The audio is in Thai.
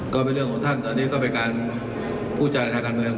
ก็เป็นเรื่องของท่านตอนนี้ก็เป็นการพูดจาในทางการเมือง